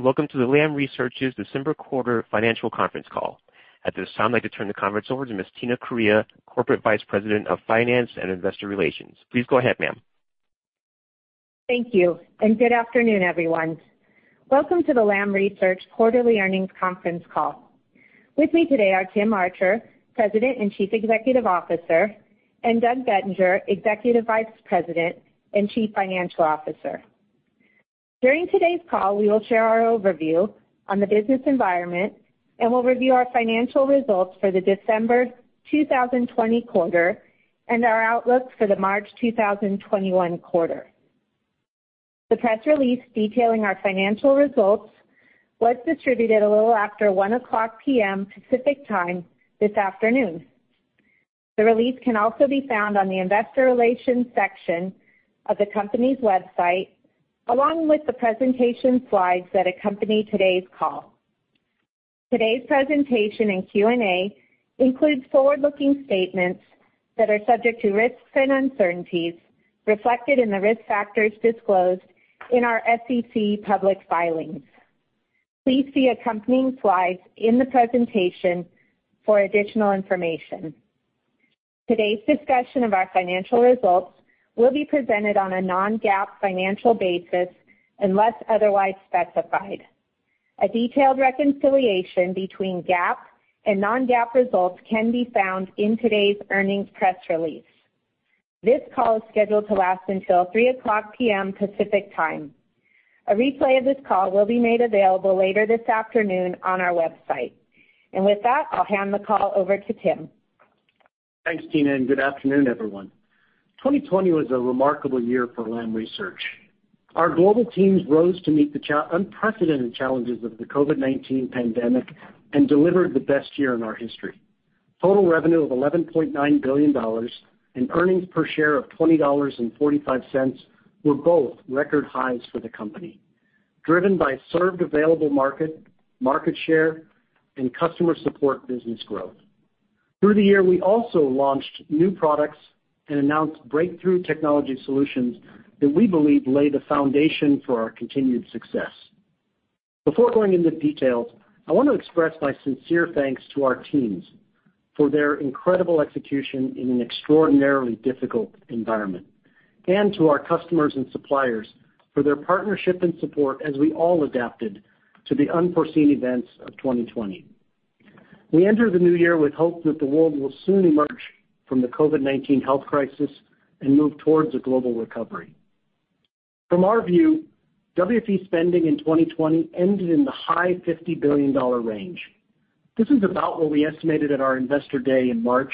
Welcome to the Lam Research's December quarter financial conference call. At this time, I'd like to turn the conference over to Ms. Tina Correia, Corporate Vice President of Finance and Investor Relations. Please go ahead, ma'am. Thank you, good afternoon, everyone. Welcome to the Lam Research quarterly earnings conference call. With me today are Tim Archer, President and Chief Executive Officer, and Doug Bettinger, Executive Vice President and Chief Financial Officer. During today's call, we will share our overview on the business environment, and we'll review our financial results for the December 2020 quarter and our outlook for the March 2021 quarter. The press release detailing our financial results was distributed a little after 1:00 P.M. Pacific Time this afternoon. The release can also be found on the investor relations section of the company's website, along with the presentation slides that accompany today's call. Today's presentation and Q&A includes forward-looking statements that are subject to risks and uncertainties reflected in the risk factors disclosed in our SEC public filings. Please see accompanying slides in the presentation for additional information. Today's discussion of our financial results will be presented on a non-GAAP financial basis unless otherwise specified. A detailed reconciliation between GAAP and non-GAAP results can be found in today's earnings press release. This call is scheduled to last until 3:00 P.M. Pacific Time. A replay of this call will be made available later this afternoon on our website. With that, I'll hand the call over to Tim. Thanks, Tina, and good afternoon, everyone. 2020 was a remarkable year for Lam Research. Our global teams rose to meet the unprecedented challenges of the COVID-19 pandemic and delivered the best year in our history. Total revenue of $11.9 billion and earnings per share of $20.45 were both record highs for the company, driven by served available market share, and customer support business growth. Through the year, we also launched new products and announced breakthrough technology solutions that we believe lay the foundation for our continued success. Before going into details, I want to express my sincere thanks to our teams for their incredible execution in an extraordinarily difficult environment, and to our customers and suppliers for their partnership and support as we all adapted to the unforeseen events of 2020. We enter the new year with hope that the world will soon emerge from the COVID-19 health crisis and move towards a global recovery. From our view, WFE spending in 2020 ended in the high $50 billion range. This is about what we estimated at our Investor Day in March,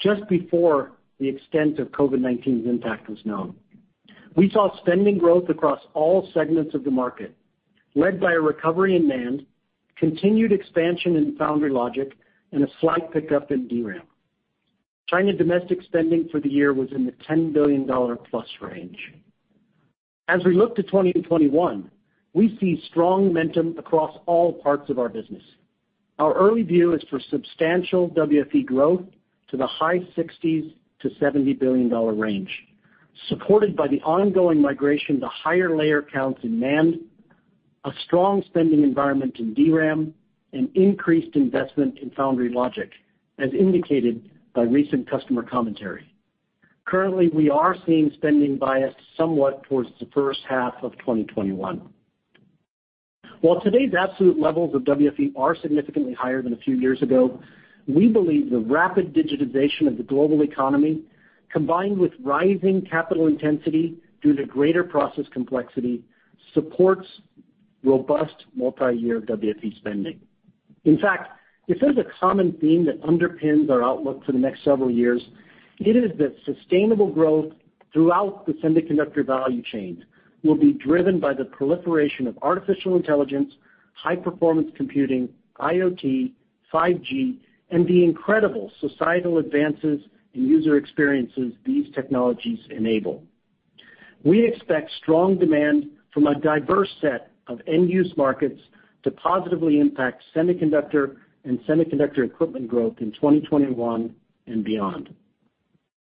just before the extent of COVID-19's impact was known. We saw spending growth across all segments of the market, led by a recovery in NAND, continued expansion in foundry logic, and a slight pickup in DRAM. China domestic spending for the year was in the $10 billion-plus range. As we look to 2021, we see strong momentum across all parts of our business. Our early view is for substantial WFE growth to the $60 billion-$70 billion range, supported by the ongoing migration to higher layer counts in NAND, a strong spending environment in DRAM, and increased investment in foundry logic, as indicated by recent customer commentary. Currently, we are seeing spending bias somewhat towards the first half of 2021. While today's absolute levels of WFE are significantly higher than a few years ago, we believe the rapid digitization of the global economy, combined with rising capital intensity due to greater process complexity, supports robust multi-year WFE spending. In fact, if there's a common theme that underpins our outlook for the next several years, it is that sustainable growth throughout the semiconductor value chain will be driven by the proliferation of artificial intelligence, high-performance computing, IoT, 5G, and the incredible societal advances and user experiences these technologies enable. We expect strong demand from a diverse set of end-use markets to positively impact semiconductor and semiconductor equipment growth in 2021 and beyond.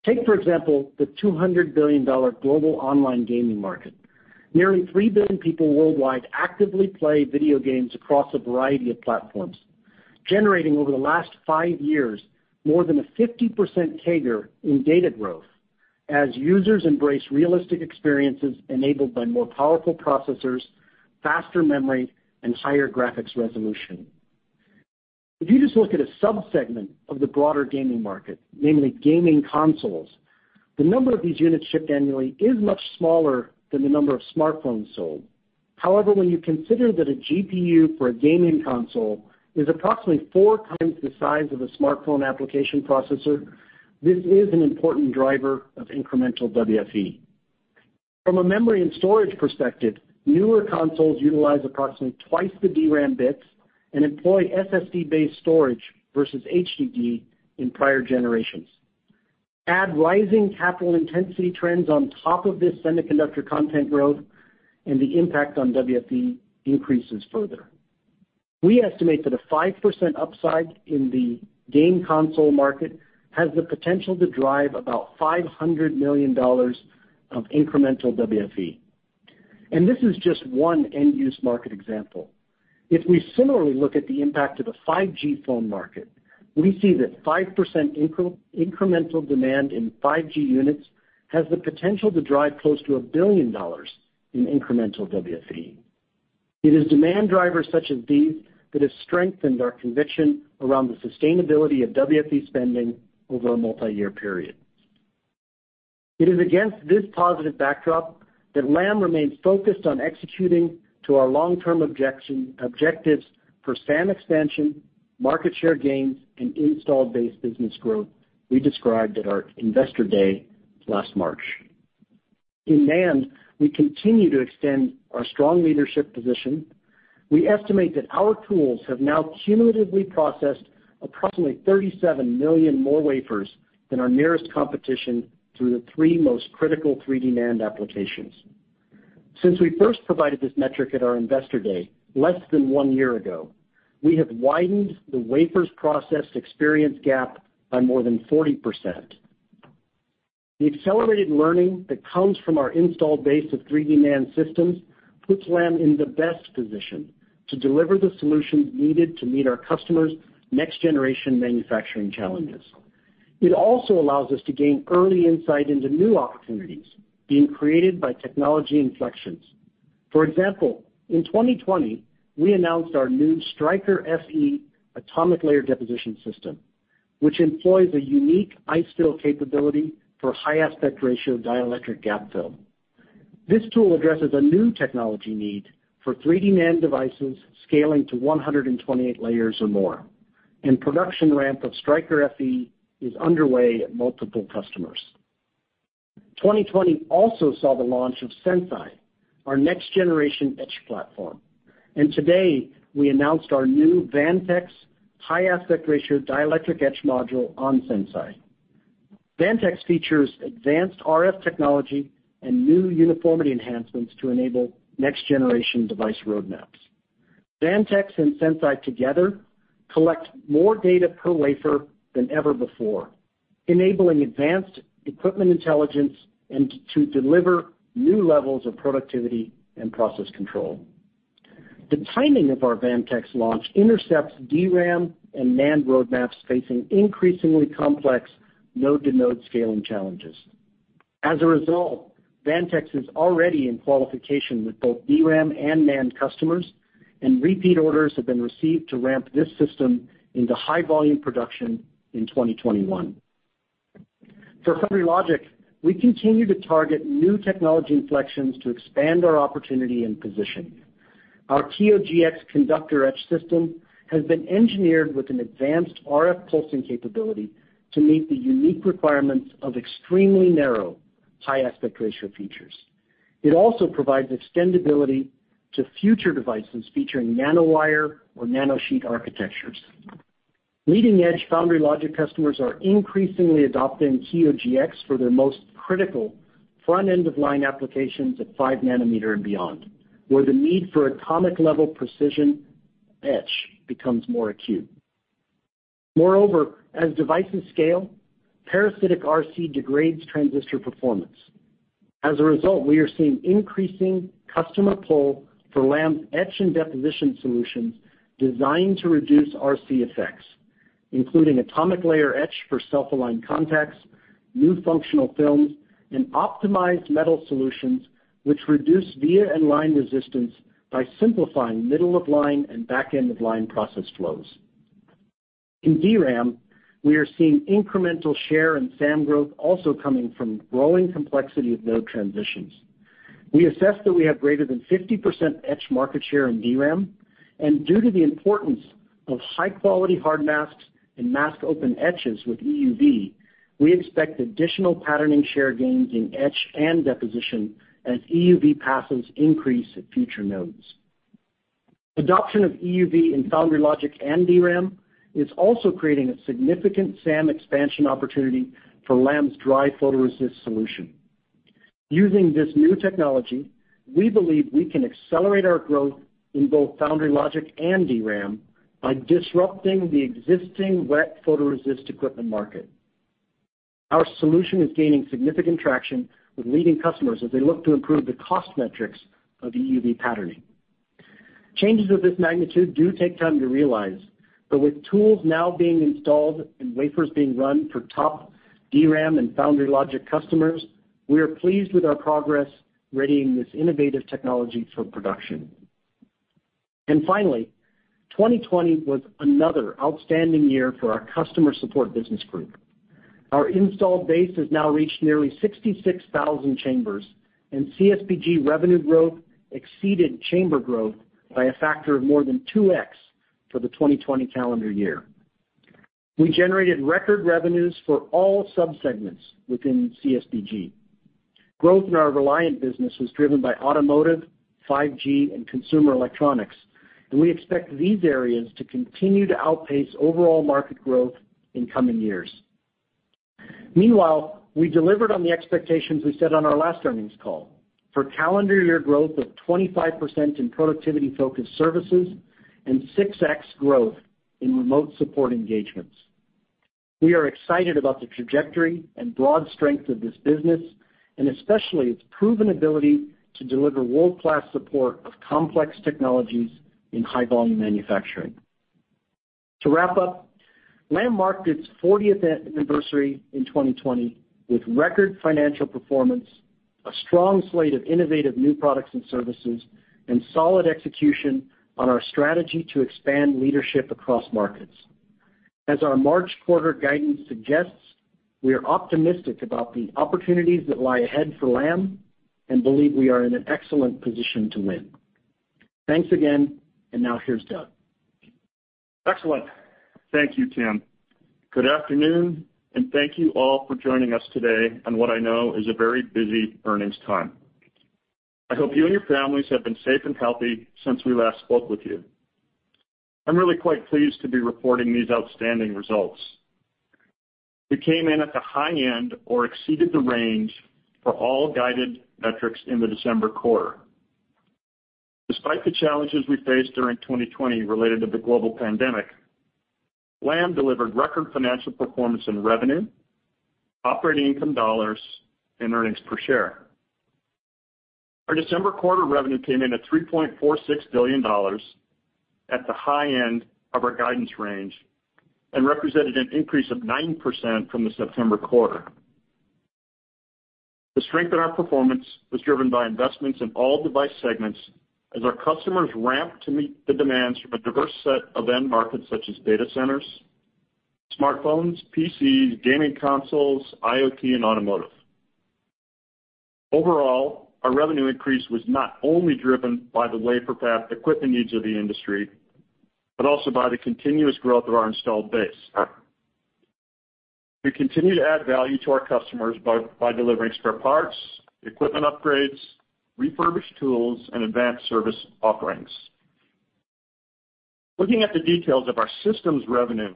Take, for example, the $200 billion global online gaming market. Nearly three billion people worldwide actively play video games across a variety of platforms, generating over the last five years more than a 50% CAGR in data growth as users embrace realistic experiences enabled by more powerful processors, faster memory, and higher graphics resolution. If you just look at a sub-segment of the broader gaming market, namely gaming consoles, the number of these units shipped annually is much smaller than the number of smartphones sold. However, when you consider that a GPU for a gaming console is approximately four times the size of a smartphone application processor, this is an important driver of incremental WFE. From a memory and storage perspective, newer consoles utilize approximately twice the DRAM bits and employ SSD-based storage versus HDD in prior generations. Add rising capital intensity trends on top of this semiconductor content growth, and the impact on WFE increases further. We estimate that a 5% upside in the game console market has the potential to drive about $500 million of incremental WFE. This is just one end-use market example. If we similarly look at the impact of the 5G phone market, we see that 5% incremental demand in 5G units has the potential to drive close to $1 billion in incremental WFE. It is demand drivers such as these that have strengthened our conviction around the sustainability of WFE spending over a multi-year period. It is against this positive backdrop that Lam remains focused on executing to our long-term objectives for SAM expansion, market share gains, and installed base business growth we described at our Investor Day last March. In NAND, we continue to extend our strong leadership position. We estimate that our tools have now cumulatively processed approximately 37 million more wafers than our nearest competition through the three most critical 3D NAND applications. Since we first provided this metric at our Investor Day less than one year ago, we have widened the wafers processed experience gap by more than 40%. The accelerated learning that comes from our installed base of 3D NAND systems puts Lam in the best position to deliver the solutions needed to meet our customers' next-generation manufacturing challenges. It also allows us to gain early insight into new opportunities being created by technology inflections. For example, in 2020, we announced our new Striker FE atomic layer deposition system, which employs a unique ICEFill capability for high aspect ratio dielectric gap fill. This tool addresses a new technology need for 3D NAND devices scaling to 128 layers or more. Production ramp of Striker FE is underway at multiple customers. 2020 also saw the launch of Sense.i, our next-generation etch platform. Today we announced our new Vantex high aspect ratio dielectric etch module on Sense.i. Vantex features advanced RF technology and new uniformity enhancements to enable next-generation device roadmaps. Vantex and Sense.i together collect more data per wafer than ever before, enabling advanced equipment intelligence and to deliver new levels of productivity and process control. The timing of our Vantex launch intercepts DRAM and NAND roadmaps facing increasingly complex node-to-node scaling challenges. As a result, Vantex is already in qualification with both DRAM and NAND customers, and repeat orders have been received to ramp this system into high-volume production in 2021. For Foundry Logic, we continue to target new technology inflections to expand our opportunity and position. Our TOGX conductor etch system has been engineered with an advanced RF pulsing capability to meet the unique requirements of extremely narrow, high aspect ratio features. It also provides extendability to future devices featuring nanowire or nanosheet architectures. Leading-edge foundry logic customers are increasingly adopting TOGX for their most critical front-end-of-line applications at five nanometer and beyond, where the need for atomic-level precision etch becomes more acute. Moreover, as devices scale, parasitic RC degrades transistor performance. As a result, we are seeing increasing customer pull for Lam's etch and deposition solutions designed to reduce RC effects, including atomic layer etch for self-aligned contacts, new functional films, and optimized metal solutions, which reduce via and line resistance by simplifying middle-of-line and back-end-of-line process flows. In DRAM, we are seeing incremental share and SAM growth also coming from growing complexity of node transitions. We assess that we have greater than 50% etch market share in DRAM, and due to the importance of high-quality hard masks and mask open etches with EUV, we expect additional patterning share gains in etch and deposition as EUV passes increase at future nodes. Adoption of EUV in foundry logic and DRAM is also creating a significant SAM expansion opportunity for Lam's dry photoresist solution. Using this new technology, we believe we can accelerate our growth in both foundry logic and DRAM by disrupting the existing wet photoresist equipment market. Our solution is gaining significant traction with leading customers as they look to improve the cost metrics of EUV patterning. Changes of this magnitude do take time to realize, but with tools now being installed and wafers being run for top DRAM and foundry logic customers, we are pleased with our progress readying this innovative technology for production. Finally, 2020 was another outstanding year for our Customer Support Business Group. Our installed base has now reached nearly 66,000 chambers, and CSBG revenue growth exceeded chamber growth by a factor of more than 2X for the 2020 calendar year. We generated record revenues for all subsegments within CSBG. Growth in our Reliant business was driven by automotive, 5G, and consumer electronics, and we expect these areas to continue to outpace overall market growth in coming years. Meanwhile, we delivered on the expectations we set on our last earnings call for calendar year growth of 25% in productivity-focused services and 6x growth in remote support engagements. We are excited about the trajectory and broad strength of this business, and especially its proven ability to deliver world-class support of complex technologies in high-volume manufacturing. To wrap up, Lam marked its 40th anniversary in 2020 with record financial performance, a strong slate of innovative new products and services, and solid execution on our strategy to expand leadership across markets. As our March quarter guidance suggests, we are optimistic about the opportunities that lie ahead for Lam and believe we are in an excellent position to win. Thanks again. Now here's Doug. Excellent. Thank you, Tim. Good afternoon, and thank you all for joining us today on what I know is a very busy earnings time. I hope you and your families have been safe and healthy since we last spoke with you. I'm really quite pleased to be reporting these outstanding results. We came in at the high end or exceeded the range for all guided metrics in the December quarter. Despite the challenges we faced during 2020 related to the global pandemic, Lam delivered record financial performance in revenue, operating income dollars, and earnings per share. Our December quarter revenue came in at $3.46 billion at the high end of our guidance range and represented an increase of 9% from the September quarter. The strength in our performance was driven by investments in all device segments as our customers ramped to meet the demands from a diverse set of end markets such as data centers, smartphones, PCs, gaming consoles, IoT, and automotive. Overall, our revenue increase was not only driven by the wafer fab equipment needs of the industry, but also by the continuous growth of our installed base. We continue to add value to our customers both by delivering spare parts, equipment upgrades, refurbished tools, and advanced service offerings. Looking at the details of our systems revenue,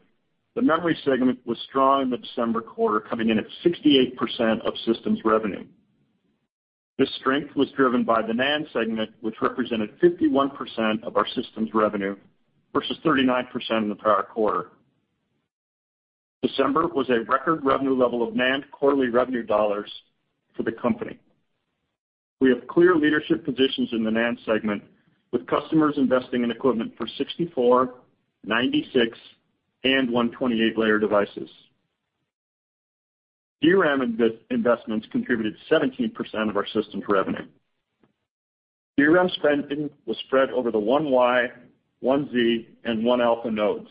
the memory segment was strong in the December quarter, coming in at 68% of systems revenue. This strength was driven by the NAND segment, which represented 51% of our systems revenue versus 39% in the prior quarter. December was a record revenue level of NAND quarterly revenue dollars for the company. We have clear leadership positions in the NAND segment, with customers investing in equipment for 64, 96, and 128-layer devices. DRAM investments contributed 17% of our systems revenue. DRAM spending was spread over the 1Y, 1Z, and 1A nodes.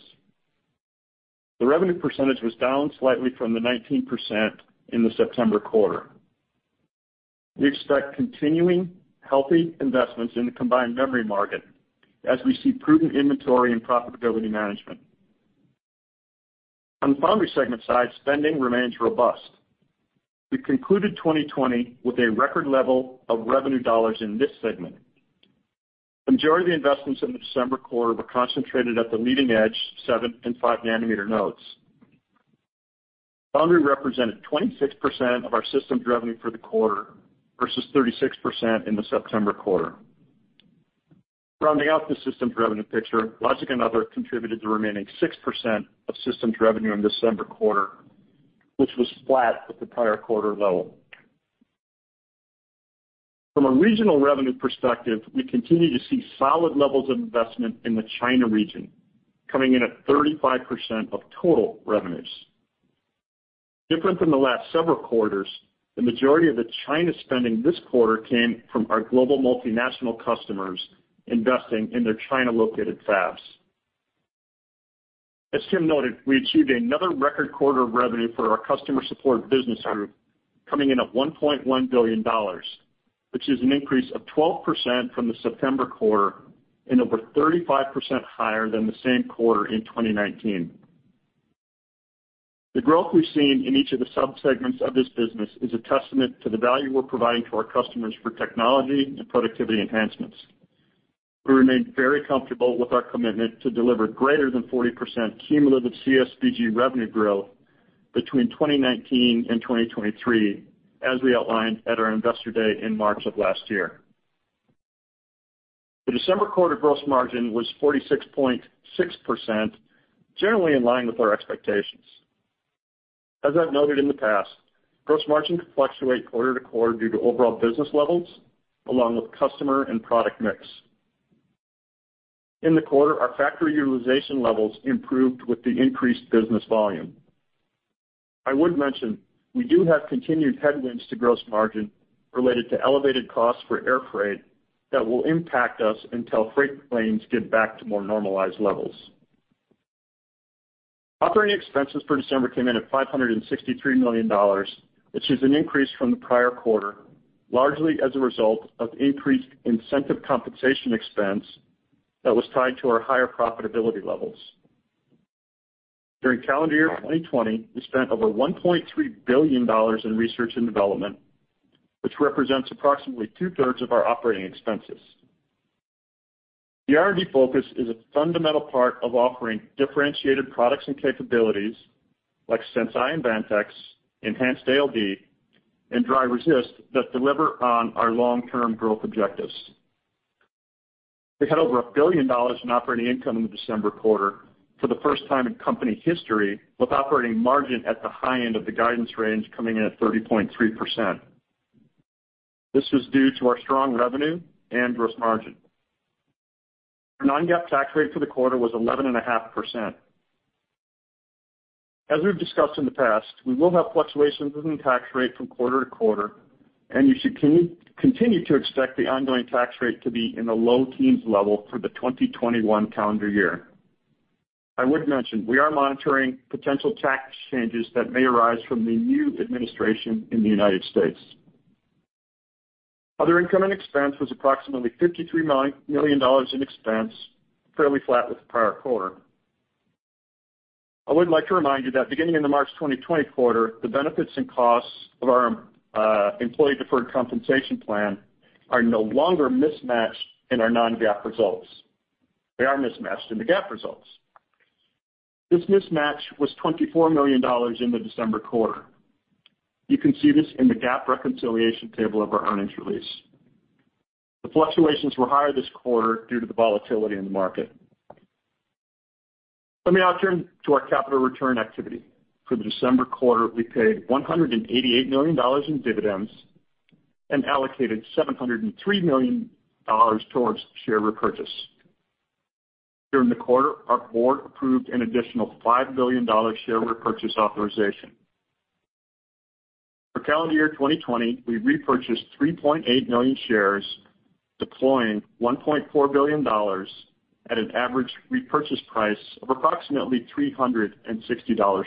The revenue percentage was down slightly from the 19% in the September quarter. We expect continuing healthy investments in the combined memory market as we see prudent inventory and profitability management. On the foundry segment side, spending remains robust. We concluded 2020 with a record level of revenue dollars in this segment. Majority of the investments in the December quarter were concentrated at the leading edge, seven and five nanometer nodes. Foundry represented 26% of our systems revenue for the quarter versus 36% in the September quarter. Rounding out the systems revenue picture, logic and other contributed to the remaining 6% of systems revenue in the December quarter, which was flat with the prior quarter level. From a regional revenue perspective, we continue to see solid levels of investment in the China region, coming in at 35% of total revenues. Different from the last several quarters, the majority of the China spending this quarter came from our global multinational customers investing in their China-located fabs. As Tim noted, we achieved another record quarter of revenue for our Customer Support Business Group, coming in at $1.1 billion, which is an increase of 12% from the September quarter and over 35% higher than the same quarter in 2019. The growth we've seen in each of the sub-segments of this business is a testament to the value we're providing to our customers for technology and productivity enhancements. We remain very comfortable with our commitment to deliver greater than 40% cumulative CSBG revenue growth between 2019 and 2023, as we outlined at our Investor Day in March of last year. The December quarter gross margin was 46.6%, generally in line with our expectations. As I've noted in the past, gross margin could fluctuate quarter to quarter due to overall business levels, along with customer and product mix. In the quarter, our factory utilization levels improved with the increased business volume. I would mention we do have continued headwinds to gross margin related to elevated costs for air freight that will impact us until freight planes get back to more normalized levels. Operating expenses for December came in at $563 million, which is an increase from the prior quarter, largely as a result of increased incentive compensation expense that was tied to our higher profitability levels. During calendar year 2020, we spent over $1.3 billion in research and development, which represents approximately two-thirds of our operating expenses. The R&D focus is a fundamental part of offering differentiated products and capabilities like Sense.i and Vantex, enhanced ALD, and dry resist that deliver on our long-term growth objectives. We had over $1 billion in operating income in the December quarter for the first time in company history, with operating margin at the high end of the guidance range coming in at 30.3%. Our non-GAAP tax rate for the quarter was 11.5%. As we've discussed in the past, we will have fluctuations in tax rate from quarter to quarter, and you should continue to expect the ongoing tax rate to be in the low teens level for the 2021 calendar year. I would mention, we are monitoring potential tax changes that may arise from the new administration in the U.S. Other income and expense was approximately $53 million in expense, fairly flat with the prior quarter. I would like to remind you that beginning in the March 2020 quarter, the benefits and costs of our employee deferred compensation plan are no longer mismatched in our non-GAAP results. They are mismatched in the GAAP results. This mismatch was $24 million in the December quarter. You can see this in the GAAP reconciliation table of our earnings release. The fluctuations were higher this quarter due to the volatility in the market. Let me now turn to our capital return activity. For the December quarter, we paid $188 million in dividends and allocated $703 million towards share repurchase. During the quarter, our board approved an additional $5 billion share repurchase authorization. For calendar year 2020, we repurchased 3.8 million shares, deploying $1.4 billion at an average repurchase price of approximately $360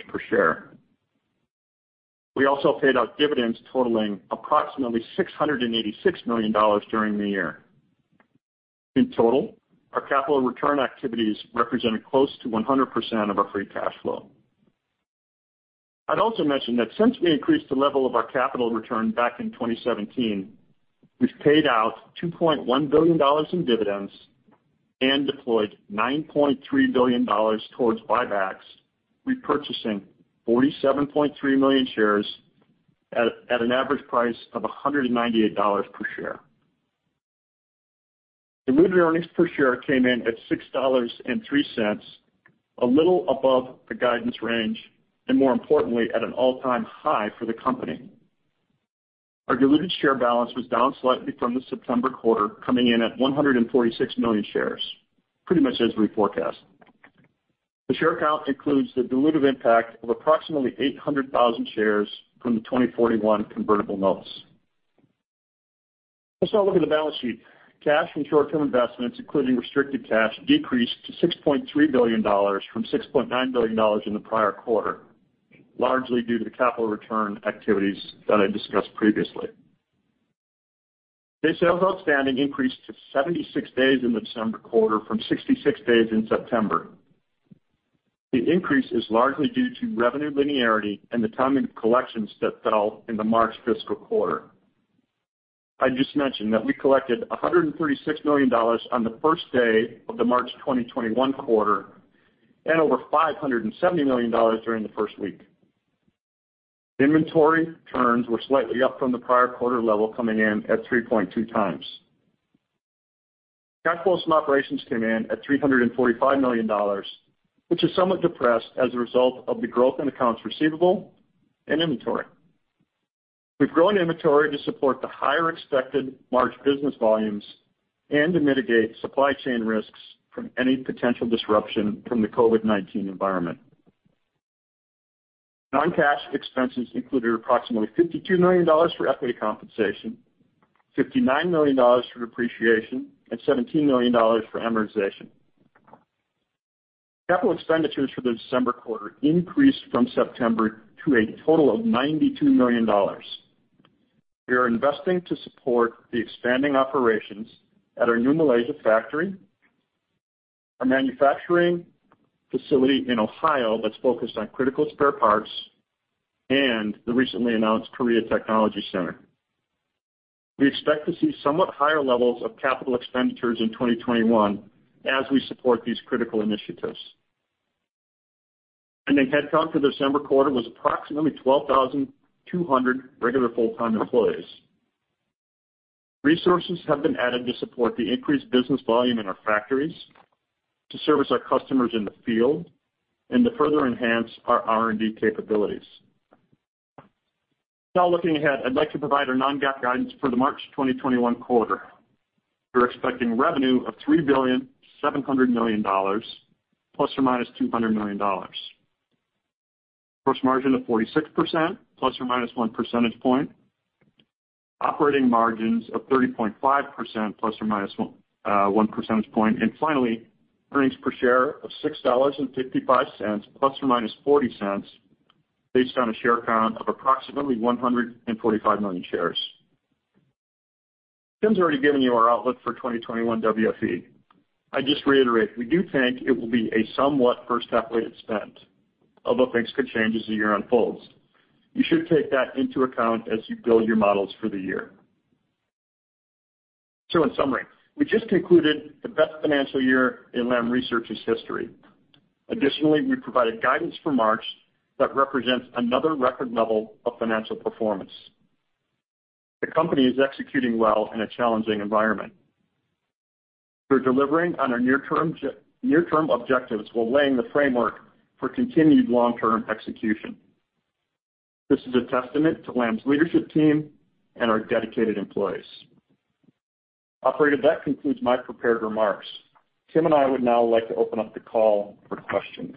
per share. We also paid out dividends totaling approximately $686 million during the year. In total, our capital return activities represented close to 100% of our free cash flow. I'd also mention that since we increased the level of our capital return back in 2017, we've paid out $2.1 billion in dividends and deployed $9.3 billion towards buybacks, repurchasing 47.3 million shares at an average price of $198 per share. Diluted earnings per share came in at $6.03, a little above the guidance range, and more importantly, at an all-time high for the company. Our diluted share balance was down slightly from the September quarter, coming in at 146 million shares, pretty much as we forecast. The share count includes the dilutive impact of approximately 800,000 shares from the 2041 convertible notes. Let's now look at the balance sheet. Cash and short-term investments, including restricted cash, decreased to $6.3 billion from $6.9 billion in the prior quarter, largely due to the capital return activities that I discussed previously. Day sales outstanding increased to 76 days in the December quarter from 66 days in September. The increase is largely due to revenue linearity and the timing of collections that fell in the March fiscal quarter. I just mentioned that we collected $136 million on the first day of the March 2021 quarter and over $570 million during the first week. Inventory turns were slightly up from the prior quarter level, coming in at 3.2x. Cash flows from operations came in at $345 million, which is somewhat depressed as a result of the growth in accounts receivable and inventory. We've grown inventory to support the higher expected March business volumes and to mitigate supply chain risks from any potential disruption from the COVID-19 environment. Non-cash expenses included approximately $52 million for equity compensation, $59 million for depreciation, and $17 million for amortization. Capital expenditures for the December quarter increased from September to a total of $92 million. We are investing to support the expanding operations at our new Malaysia factory, our manufacturing facility in Ohio that's focused on critical spare parts, and the recently announced Korea Technology Center. We expect to see somewhat higher levels of capital expenditures in 2021 as we support these critical initiatives. The headcount for the December quarter was approximately 12,200 regular full-time employees. Resources have been added to support the increased business volume in our factories, to service our customers in the field, and to further enhance our R&D capabilities. Looking ahead, I'd like to provide our non-GAAP guidance for the March 2021 quarter. We're expecting revenue of $3.7 billion ±$200 million. Gross margin of 46% ±one percentage point. Operating margins of 30.5% ±one percentage point. Finally, earnings per share of $6.55 ±$0.40, based on a share count of approximately 145 million shares. Tim's already given you our outlook for 2021 WFE. I just reiterate, we do think it will be a somewhat first half weight spend, although things could change as the year unfolds. You should take that into account as you build your models for the year. In summary, we just concluded the best financial year in Lam Research's history. Additionally, we provided guidance for March that represents another record level of financial performance. The company is executing well in a challenging environment. We're delivering on our near-term objectives while laying the framework for continued long-term execution. This is a testament to Lam's leadership team and our dedicated employees. Operator, that concludes my prepared remarks. Tim and I would now like to open up the call for questions.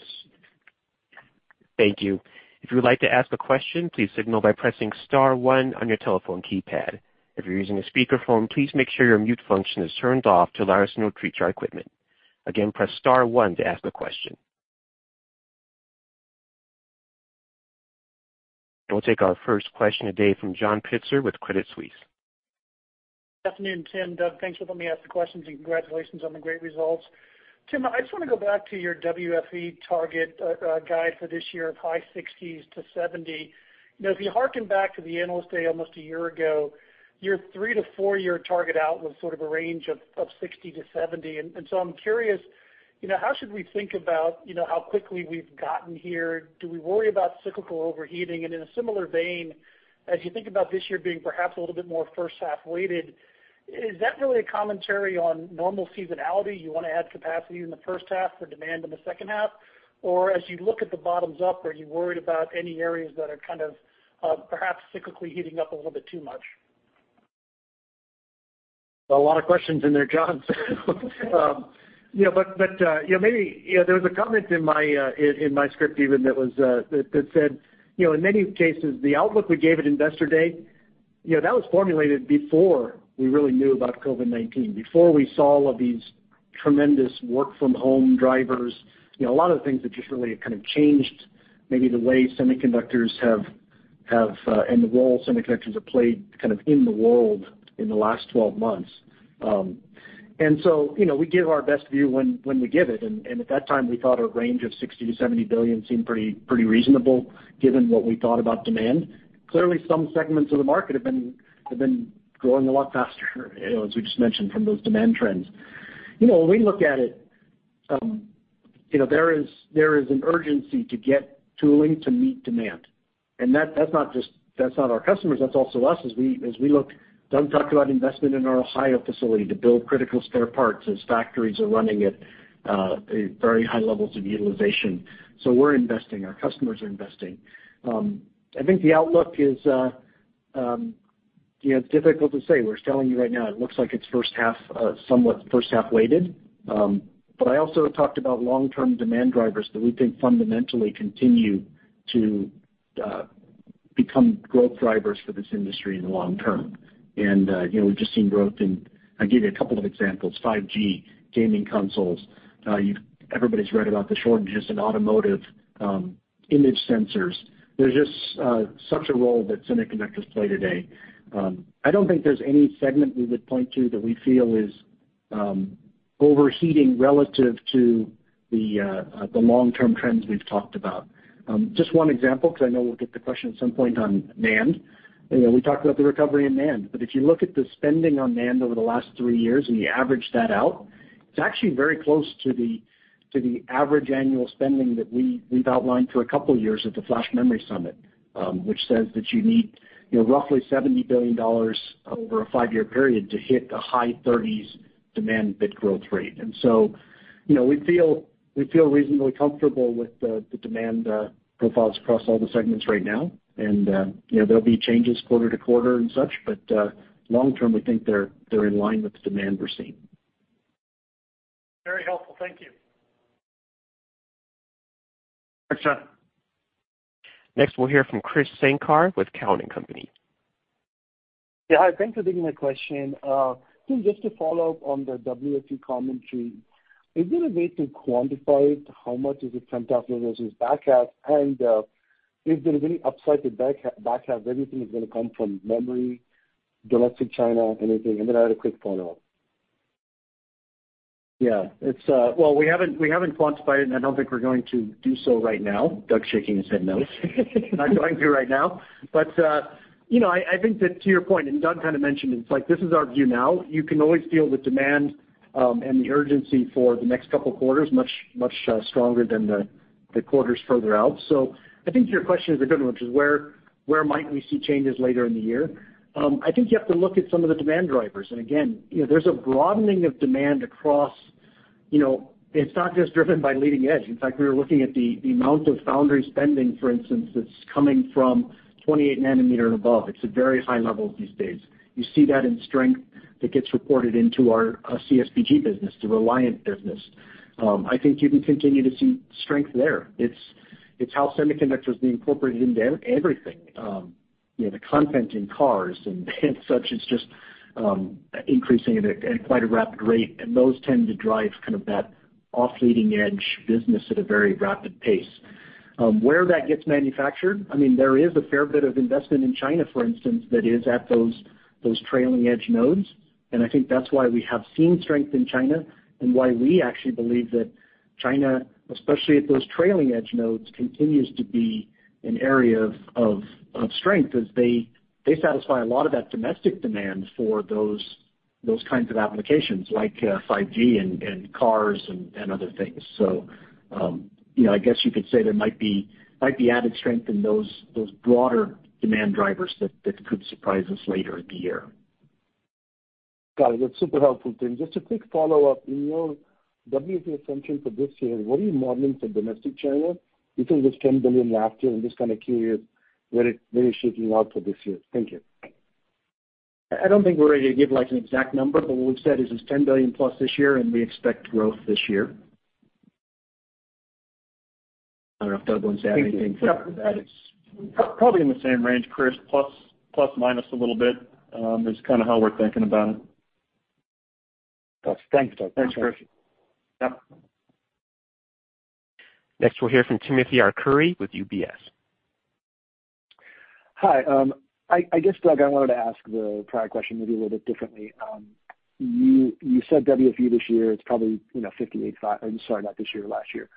Thank you. If you would like to ask a question, please signal by pressing star one on your telephone keypad. If you're using a speakerphone, please make sure your mute function is turned off to allow us to know to treat your equipment. Again, press star one to ask a question. We'll take our first question today from John Pitzer with Credit Suisse. Good afternoon, Tim, Doug. Thanks for letting me ask the questions, and congratulations on the great results. Tim, I just want to go back to your WFE target guide for this year of high 60s-70. If you harken back to the Investor Day almost a year ago, your three-to-four-year target out was sort of a range of 60-70. I'm curious, how should we think about how quickly we've gotten here? Do we worry about cyclical overheating? In a similar vein, as you think about this year being perhaps a little bit more first-half weighted, is that really a commentary on normal seasonality? You want to add capacity in the first half for demand in the second half, or as you look at the bottoms up, are you worried about any areas that are kind of perhaps cyclically heating up a little bit too much? A lot of questions in there, John. There was a comment in my script even that said, in many cases, the outlook we gave at Investor Day, that was formulated before we really knew about COVID-19, before we saw all of these tremendous work-from-home drivers. A lot of the things that just really kind of changed maybe the way semiconductors have, and the role semiconductors have played kind of in the world in the last 12 months. We give our best view when we give it, and at that time, we thought a range of $60 billion-$70 billion seemed pretty reasonable given what we thought about demand. Clearly, some segments of the market have been growing a lot faster, as we just mentioned from those demand trends. When we look at it, there is an urgency to get tooling to meet demand. That's not our customers, that's also us, as we look. Doug talked about investment in our Ohio facility to build critical spare parts as factories are running at very high levels of utilization. We're investing, our customers are investing. I think the outlook is difficult to say. We're telling you right now, it looks like it's somewhat first-half weighted. I also talked about long-term demand drivers that we think fundamentally continue to become growth drivers for this industry in the long term. We've just seen growth in, I'll give you a couple of examples, 5G, gaming consoles. Everybody's read about the shortages in automotive image sensors. There's just such a role that semiconductors play today. I don't think there's any segment we would point to that we feel is overheating relative to the long-term trends we've talked about. Just one example, because I know we'll get the question at some point on NAND. We talked about the recovery in NAND. If you look at the spending on NAND over the last three years, and you average that out, it's actually very close to the average annual spending that we've outlined for a couple of years at the Flash Memory Summit, which says that you need roughly $70 billion over a five-year period to hit a high 30s demand bit growth rate. We feel reasonably comfortable with the demand profiles across all the segments right now. There'll be changes quarter-to-quarter and such, but long-term, we think they're in line with the demand we're seeing. Very helpful. Thank you. Thanks, John. Next, we'll hear from Krish Sankar with Cowen and Company. Yeah. Hi, thanks for taking my question. Tim, just to follow up on the WFE commentary, is there a way to quantify it? How much is it front half versus back half? If there's any upside to back half, anything is going to come from memory, domestic China, anything? Then I had a quick follow-up. Yeah. Well, we haven't quantified it, and I don't think we're going to do so right now. Doug's shaking his head no. Not going to right now. I think that to your point, and Doug kind of mentioned it, this is our view now. You can always feel the demand and the urgency for the next couple of quarters, much stronger than the quarters further out. I think your question is a good one, which is where might we see changes later in the year? I think you have to look at some of the demand drivers. Again, there's a broadening of demand across. It's not just driven by leading-edge. We were looking at the amount of foundry spending, for instance, that's coming from 28 nanometer and above. It's at very high levels these days. You see that in strength that gets reported into our CSBG business, the Reliant business. I think you can continue to see strength there. It's how semiconductors being incorporated into everything. The content in cars and such is just increasing at quite a rapid rate. Those tend to drive kind of that off leading edge business at a very rapid pace. Where that gets manufactured, there is a fair bit of investment in China, for instance, that is at those trailing edge nodes. I think that's why we have seen strength in China, and why we actually believe that China, especially at those trailing edge nodes, continues to be an area of strength as they satisfy a lot of that domestic demand for those Those kinds of applications like 5G and cars and other things. I guess you could say there might be added strength in those broader demand drivers that could surprise us later in the year. Got it. That's super helpful, Tim. Just a quick follow-up. In your WFE assumption for this year, what are you modeling for domestic China? You think there's $10 billion last year, I'm just kind of curious where it's shaping up for this year. Thank you. I don't think we're ready to give an exact number, but what we've said is it's $10 billion plus this year, and we expect growth this year. I don't know if Doug wants to add anything to that. Thank you. It's probably in the same range, Krish, plus, minus a little bit, is kind of how we're thinking about it. Thanks, Doug. Thanks, Krish. Yep. Next, we'll hear from Timothy Arcuri with UBS. Hi. I guess, Doug, I wanted to ask the prior question maybe a little bit differently. You said WFE this year, I'm sorry, not this year, last year,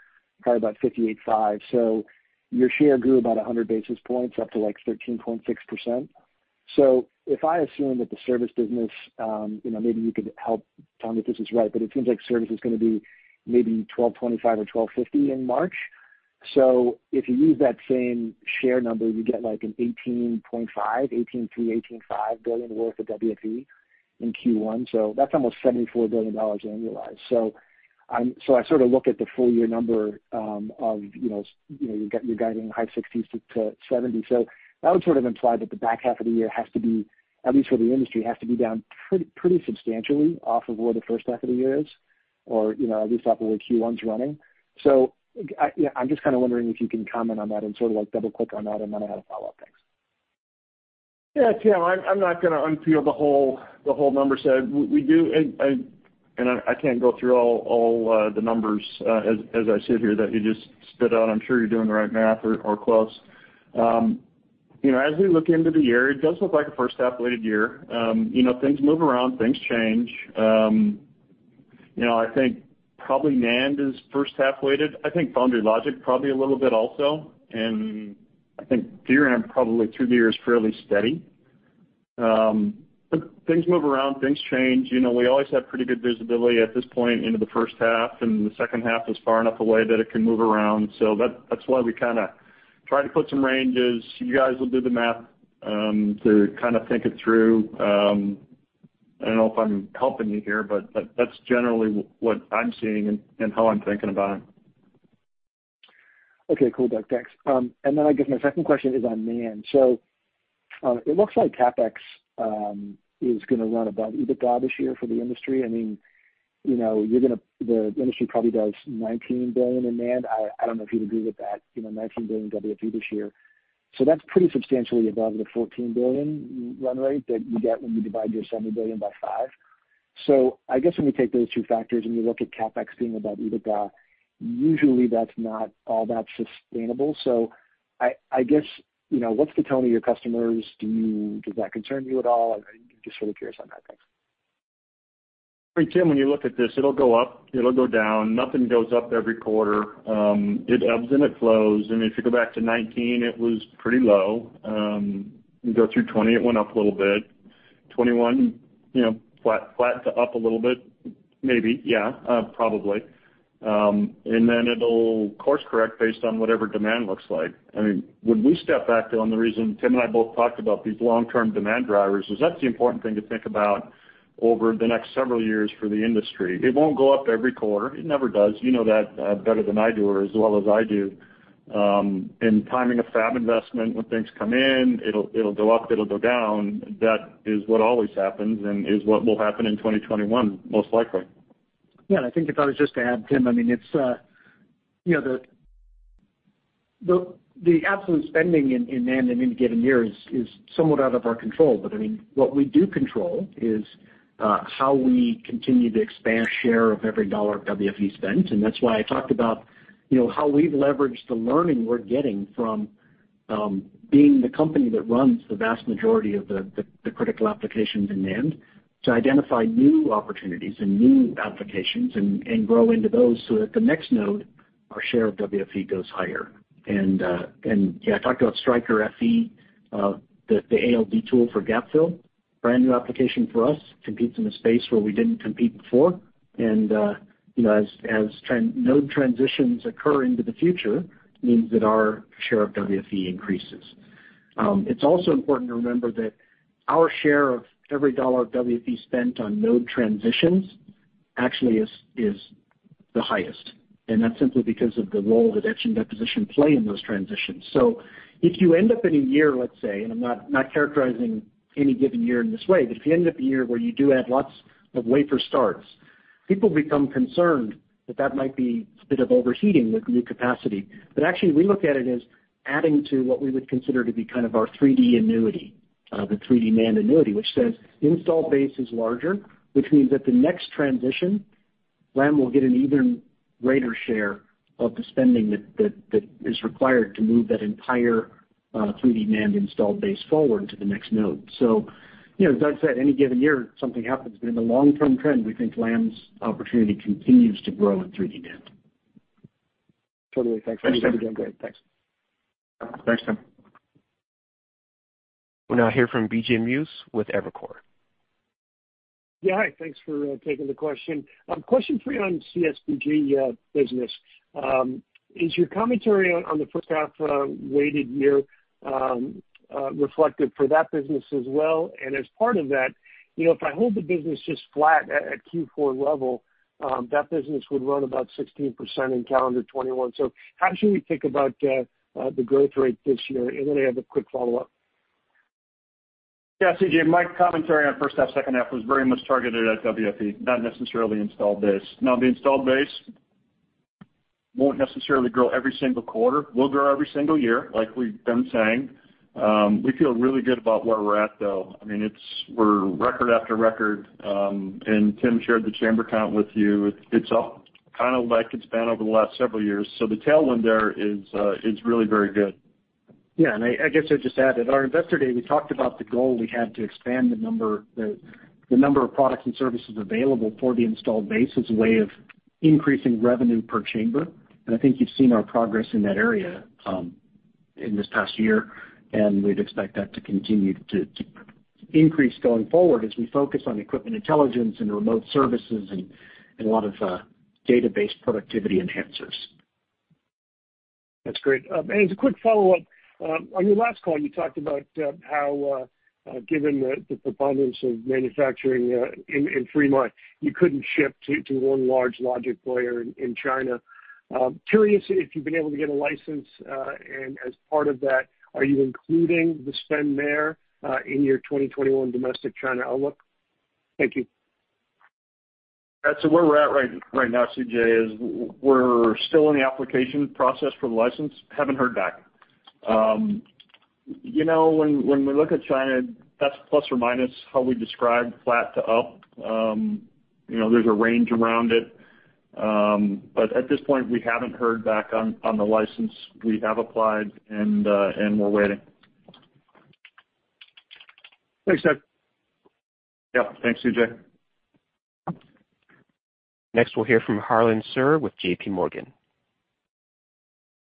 probably about $58.5. Your share grew about 100 basis points up to 13.6%. If I assume that the service business, maybe you could help tell me if this is right, but it seems like service is going to be maybe $1,225 or $1,250 in March. If you use that same share number, you get an $18.5, $18 billion-$18.5 billion worth of WFE in Q1. That's almost $74 billion annualized. I sort of look at the full year number of your guiding high sixties to $70 billion. That would sort of imply that the back half of the year has to be, at least for the industry, has to be down pretty substantially off of where the first half of the year is, or at least off of where Q1's running. I'm just kind of wondering if you can comment on that and sort of double-click on that, and then I had a follow-up. Thanks. Yeah, Tim, I'm not going to unpeel the whole number set. I can't go through all the numbers as I sit here that you just spit out. I'm sure you're doing the right math or close. As we look into the year, it does look like a first half weighted year. Things move around, things change. I think probably NAND is first half weighted. I think Foundry logic probably a little bit also, and I think DRAM probably through the year is fairly steady. Things move around, things change. We always have pretty good visibility at this point into the first half, and the second half is far enough away that it can move around. That's why we kind of try to put some ranges. You guys will do the math to kind of think it through. I don't know if I'm helping you here, but that's generally what I'm seeing and how I'm thinking about it. Okay, cool, Doug. Thanks. Then I guess my second question is on NAND. It looks like CapEx is going to run above EBITDA this year for the industry. I mean, the industry probably does $19 billion in NAND. I don't know if you'd agree with that, $19 billion WFE this year. That's pretty substantially above the $14 billion run rate that you get when you divide your $70 billion by 5. I guess when you take those two factors and you look at CapEx being above EBITDA, usually that's not all that sustainable. I guess, what's the tone of your customers? Does that concern you at all? I'm just sort of curious on that. Thanks. Tim, when you look at this, it'll go up, it'll go down. Nothing goes up every quarter. It ebbs and it flows. If you go back to 2019, it was pretty low. You go through 2020, it went up a little bit. 2021, flat to up a little bit, maybe, yeah. Probably. Then it'll course correct based on whatever demand looks like. I mean, when we step back on the reason Tim and I both talked about these long-term demand drivers, is that's the important thing to think about over the next several years for the industry. It won't go up every quarter. It never does. You know that better than I do, or as well as I do. In timing a fab investment, when things come in, it'll go up, it'll go down. That is what always happens and is what will happen in 2021, most likely. Yeah, I think if I was just to add, Tim, the absolute spending in NAND in any given year is somewhat out of our control. I mean, what we do control is how we continue to expand share of every dollar of WFE spent, and that's why I talked about how we've leveraged the learning we're getting from being the company that runs the vast majority of the critical applications in NAND to identify new opportunities and new applications and grow into those so that the next node, our share of WFE goes higher. Yeah, I talked about Striker FE, the ALD tool for gap fill. Brand new application for us, competes in a space where we didn't compete before. As node transitions occur into the future, means that our share of WFE increases. It's also important to remember that our share of every dollar of WFE spent on node transitions actually is the highest, and that's simply because of the role that etch and deposition play in those transitions. If you end up in a year, let's say, and I'm not characterizing any given year in this way, but if you end up in a year where you do add lots of wafer starts, people become concerned that that might be a bit of overheating with new capacity. Actually, we look at it as adding to what we would consider to be kind of our 3D annuity, the 3D NAND annuity, which says install base is larger, which means that the next transition, Lam will get an even greater share of the spending that is required to move that entire 3D NAND installed base forward to the next node. As Doug said, any given year, something happens. In the long-term trend, we think Lam's opportunity continues to grow in 3D NAND. Totally. Thanks. You have a good day. Thanks. Thanks, Tim. We'll now hear from C.J. Muse with Evercore. Yeah. Hi, thanks for taking the question. Question for you on CSBG business. Is your commentary on the first half weighted year reflective for that business as well? As part of that, if I hold the business just flat at Q4 level, that business would run about 16% in calendar 2021. How should we think about the growth rate this year? I have a quick follow-up. C.J., my commentary on first half, second half was very much targeted at WFE, not necessarily installed base. The installed base won't necessarily grow every single quarter, will grow every single year, like we've been saying. We feel really good about where we're at, though. We're record after record, Tim shared the chamber count with you. It's up, kind of like it's been over the last several years. The tailwind there is really very good. Yeah, I guess I'd just add that our Investor Day, we talked about the goal we had to expand the number of products and services available for the installed base as a way of increasing revenue per chamber. I think you've seen our progress in that area in this past year, and we'd expect that to continue to increase going forward as we focus on equipment intelligence and remote services and a lot of database productivity enhancers. That's great. As a quick follow-up, on your last call, you talked about how, given the preponderance of manufacturing in Fremont, you couldn't ship to one large logic player in China. Curious if you've been able to get a license, as part of that, are you including the spend there in your 2021 domestic China outlook? Thank you. Where we're at right now, C.J., is we're still in the application process for the license. Haven't heard back. When we look at China, that's plus or minus how we describe flat to up. There's a range around it. At this point, we haven't heard back on the license. We have applied, and we're waiting. Thanks, Doug. Yep. Thanks, C.J. Next, we'll hear from Harlan Sur with JPMorgan.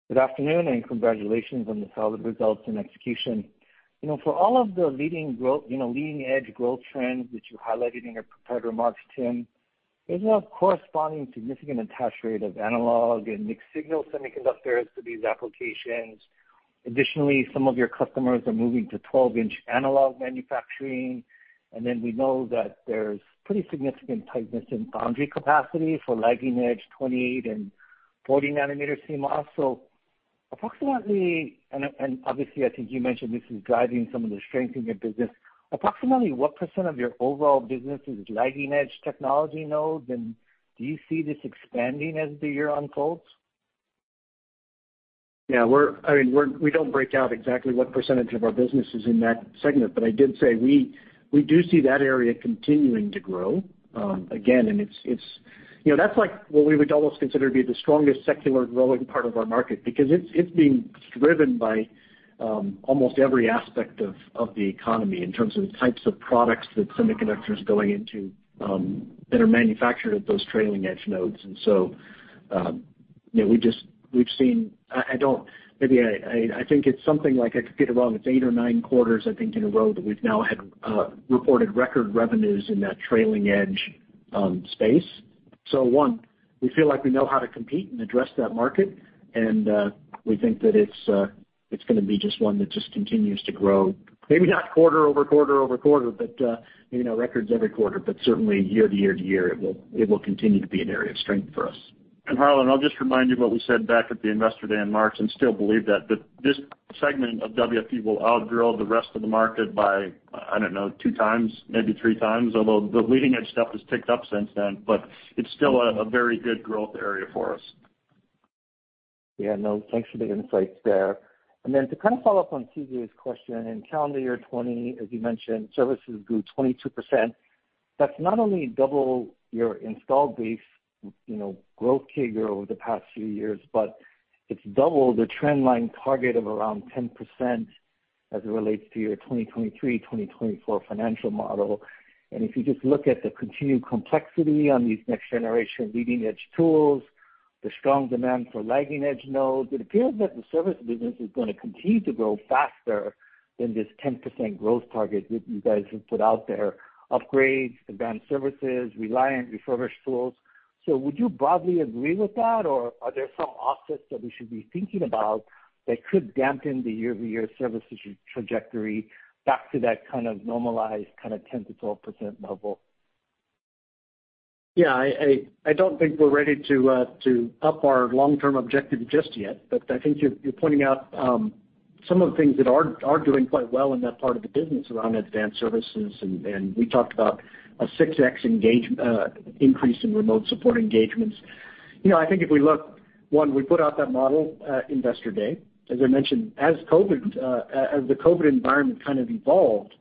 Good afternoon, congratulations on the solid results and execution. For all of the leading-edge growth trends which you highlighted in your prepared remarks, Tim, there's no corresponding significant attach rate of analog and mixed signal semiconductors to these applications. Additionally, some of your customers are moving to 12-inch analog manufacturing, we know that there's pretty significant tightness in foundry capacity for lagging edge 28 and 40 nanometers CMOS. Obviously, I think you mentioned this is driving some of the strength in your business. Approximately what percent of your overall business is lagging edge technology nodes, and do you see this expanding as the year unfolds? Yeah, we don't break out exactly what percentage of our business is in that segment. I did say we do see that area continuing to grow. That's what we would almost consider to be the strongest secular growing part of our market, because it's being driven by almost every aspect of the economy in terms of the types of products that semiconductors going into that are manufactured at those trailing edge nodes. We've seen, I think it's something like, I could get it wrong, it's eight or nine quarters, I think, in a row that we've now had reported record revenues in that trailing edge space. One, we feel like we know how to compete and address that market, and we think that it's going to be just one that just continues to grow, maybe not quarter over quarter over quarter, but records every quarter, but certainly year to year to year, it will continue to be an area of strength for us. Harlan, I'll just remind you what we said back at the Investor Day in March and still believe that this segment of WFE will outgrow the rest of the market by, I don't know, two times, maybe three times, although the leading edge stuff has ticked up since then, but it's still a very good growth area for us. Yeah, no, thanks for the insights there. To kind of follow up on C.J.'s question, in calendar year 2020, as you mentioned, services grew 22%. That's not only double your installed base growth CAGR over the past few years, but it's double the trend line target of around 10% as it relates to your 2023, 2024 financial model. If you just look at the continued complexity on these next generation leading edge tools, the strong demand for lagging edge nodes, it appears that the service business is going to continue to grow faster than this 10% growth target that you guys have put out there, upgrades, advanced services, Reliant refurbished tools. Would you broadly agree with that, or are there some offsets that we should be thinking about that could dampen the year-over-year services trajectory back to that kind of normalized, kind of 10%-12% level? Yeah, I don't think we're ready to up our long-term objective just yet, but I think you're pointing out some of the things that are doing quite well in that part of the business around advanced services, and we talked about a 6X increase in remote support engagements. I think if we look, one, we put out that model at Investor Day. As I mentioned, as the COVID environment kind of evolved,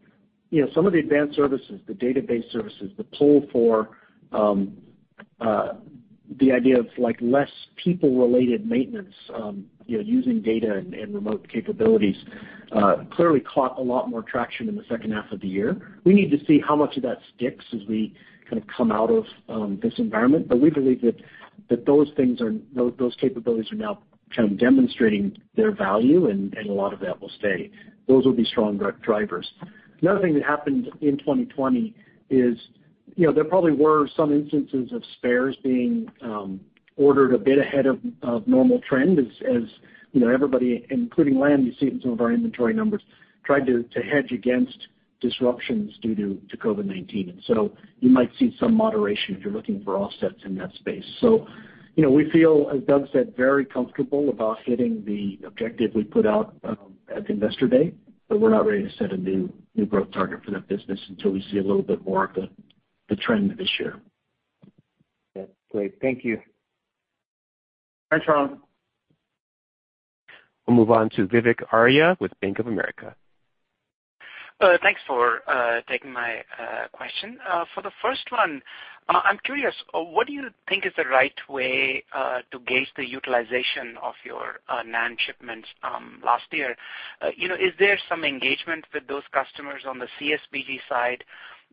some of the advanced services, the database services, the pull for the idea of less people-related maintenance, using data and remote capabilities clearly caught a lot more traction in the second half of the year. We need to see how much of that sticks as we kind of come out of this environment, but we believe that those capabilities are now kind of demonstrating their value, and a lot of that will stay. Those will be strong drivers. Another thing that happened in 2020 is, there probably were some instances of spares being ordered a bit ahead of normal trend as everybody, including Lam, you see it in some of our inventory numbers, tried to hedge against disruptions due to COVID-19. You might see some moderation if you're looking for offsets in that space. We feel, as Doug said, very comfortable about hitting the objective we put out at the Investor Day, we're not ready to set a new growth target for that business until we see a little bit more of the trend this year. That's great. Thank you. Thanks, Harlan. We'll move on to Vivek Arya with Bank of America. Thanks for taking my question. For the first one, I'm curious, what do you think is the right way to gauge the utilization of your NAND shipments last year? Is there some engagement with those customers on the CSBG side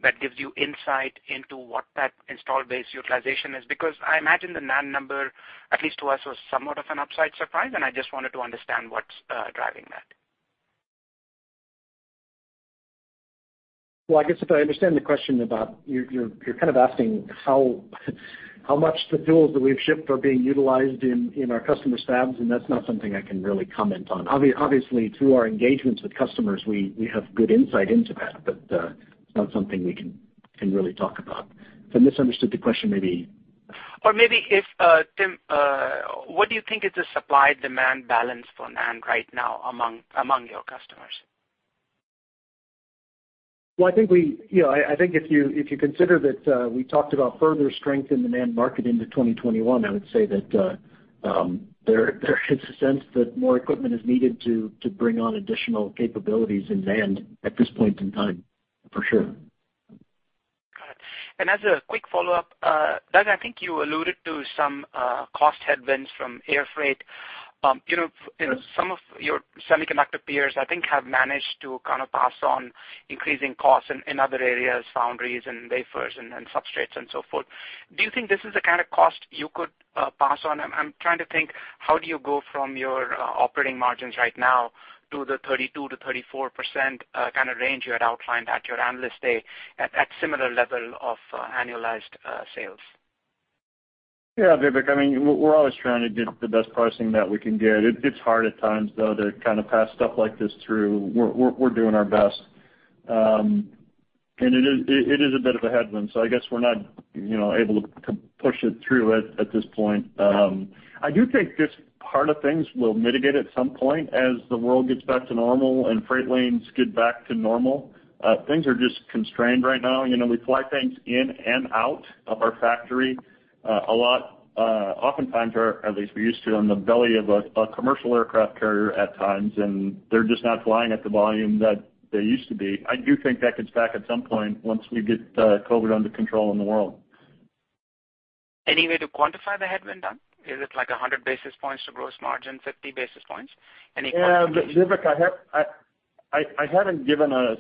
that gives you insight into what that installed base utilization is? Because I imagine the NAND number, at least to us, was somewhat of an upside surprise, and I just wanted to understand what's driving that. Well, I guess if I understand the question about, you're kind of asking how much the tools that we've shipped are being utilized in our customers' fabs, and that's not something I can really comment on. Obviously, through our engagements with customers, we have good insight into that, but it's not something we can really talk about. If I misunderstood the question, maybe Tim, what do you think is the supply-demand balance for NAND right now among your customers? Well, I think if you consider that we talked about further strength in the NAND market into 2021, I would say that there is a sense that more equipment is needed to bring on additional capabilities in NAND at this point in time, for sure. Got it. As a quick follow-up, Doug, I think you alluded to some cost headwinds from air freight. Some of your semiconductor peers, I think, have managed to kind of pass on increasing costs in other areas, foundries and wafers and substrates and so forth. Do you think this is the kind of cost you could pass on? I'm trying to think, how do you go from your operating margins right now to the 32%-34% kind of range you had outlined at your Investor Day at that similar level of annualized sales? Yeah, Vivek. We're always trying to get the best pricing that we can get. It's hard at times, though, to kind of pass stuff like this through. We're doing our best. It is a bit of a headwind, so I guess we're not able to push it through at this point. I do think this part of things will mitigate at some point as the world gets back to normal and freight lanes get back to normal. Things are just constrained right now. We fly things in and out of our factory a lot. Oftentimes, or at least we used to, on the belly of a commercial aircraft carrier at times, and they're just not flying at the volume that they used to be. I do think that gets back at some point once we get COVID under control in the world. Any way to quantify the headwind, Doug? Is it like 100 basis points to gross margin, 50 basis points? Any quantification? Vivek, I haven't given a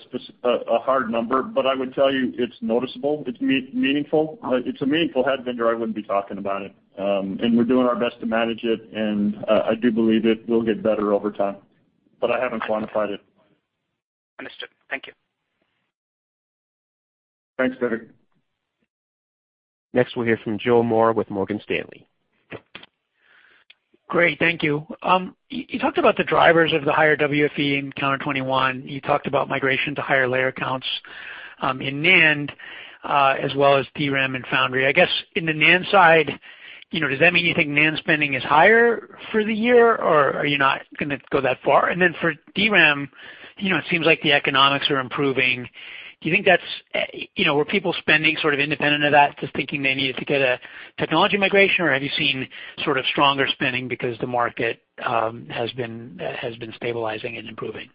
hard number, but I would tell you it's noticeable. It's meaningful. It's a meaningful headwind, or I wouldn't be talking about it. We're doing our best to manage it, and I do believe it will get better over time. I haven't quantified it. Understood. Thank you. Thanks, Vivek. Next, we'll hear from Joe Moore with Morgan Stanley. Great. Thank you. You talked about the drivers of the higher WFE in calendar 2021. You talked about migration to higher layer counts in NAND, as well as DRAM and foundry. I guess in the NAND side, does that mean you think NAND spending is higher for the year, or are you not going to go that far? For DRAM, it seems like the economics are improving. Were people spending sort of independent of that, just thinking they needed to get a technology migration, or have you seen sort of stronger spending because the market has been stabilizing and improving?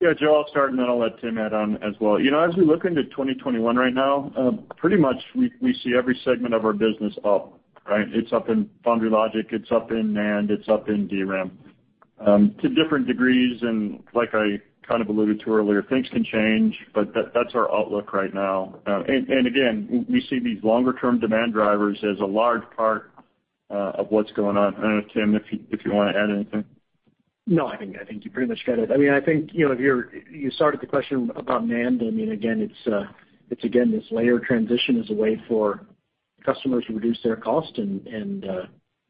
Yeah, Joe, I'll start, and then I'll let Tim add on as well. As we look into 2021 right now, pretty much we see every segment of our business up, right? It's up in foundry logic, it's up in NAND, it's up in DRAM to different degrees, and like I kind of alluded to earlier, things can change, but that's our outlook right now. Again, we see these longer-term demand drivers as a large part of what's going on. I don't know, Tim, if you want to add anything. No, I think you pretty much got it. I think you started the question about NAND. It's again, this layer transition is a way for customers to reduce their cost,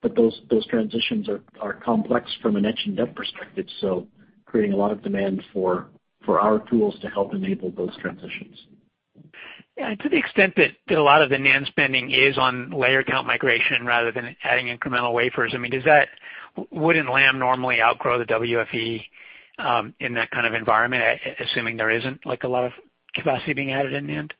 but those transitions are complex from an etch and dep perspective, creating a lot of demand for our tools to help enable those transitions. Yeah, to the extent that a lot of the NAND spending is on layer count migration rather than adding incremental wafers, wouldn't Lam normally outgrow the WFE in that kind of environment, assuming there isn't a lot of capacity being added in NAND?